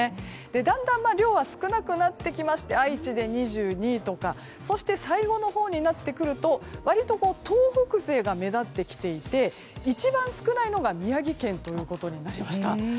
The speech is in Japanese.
だんだん量は少なくなってきまして愛知で２２位とかそして最後のほうになると割と東北勢が目立ってきていて一番少ないのが宮城県ということになりました。